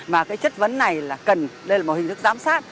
mà cái chất vấn này là cần đây là một hình thức giám sát